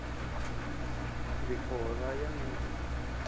Dikuoo daya mniñu.